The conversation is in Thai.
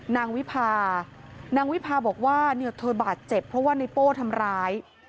นางวิพานางวิพาบอกว่าเธอบาดเจ็บเพราะว่าในโป้ทำร้าย